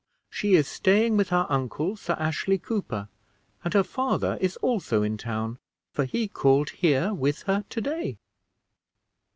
She is staying with her uncle, Sir Ashley Cooper; and her father is also in town, for he called here with her to day."